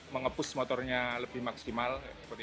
mengepus motornya lebih maksimal